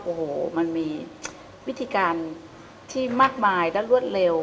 โอ้โหมันมีวิธีการที่มากมายและรวดเร็ว